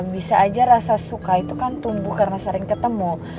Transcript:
bisa aja rasa suka itu kan tumbuh karena sering ketemu